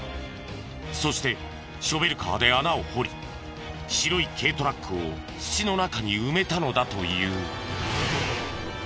そしてショベルカーで穴を掘り白い軽トラックを土の中に埋めたのだという。